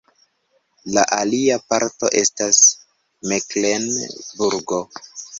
La alia parto estas Meklenburgo.